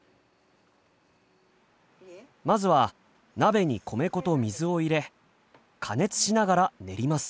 まずは鍋に米粉と水を入れ加熱しながら練ります。